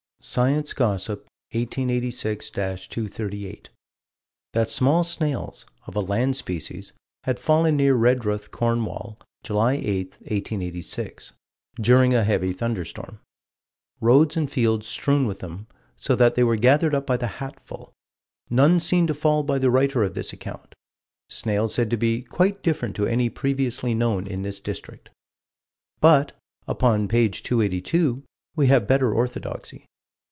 Science Gossip, 1886 238: That small snails, of a land species, had fallen near Redruth, Cornwall, July 8, 1886, "during a heavy thunderstorm": roads and fields strewn with them, so that they were gathered up by the hatful: none seen to fall by the writer of this account: snails said to be "quite different to any previously known in this district." But, upon page 282, we have better orthodoxy.